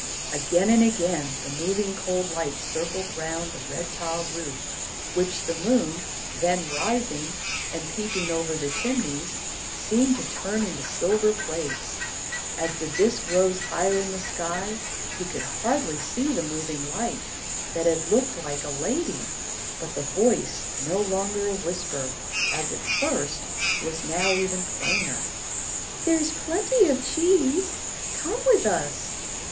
Again and again the moving, cold light circled round the red tile roof, which the moon, then rising and peeping over the chimneys, seemed to turn into silver plates. As the disc rose higher in the sky, he could hardly see the moving light, that had looked like a lady; but the voice, no longer a whisper, as at first, was now even plainer: "There's plenty of cheese. Come with us."